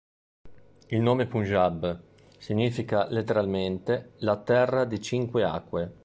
Il nome Punjab significa letteralmente "la terra di cinque acque".